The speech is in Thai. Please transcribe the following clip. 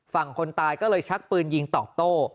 ฝั่งคนตายก็เลยชักปืนยิงตอบโต้